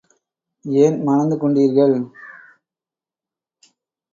ஏன் மணந்து கொண்டீர்கள்?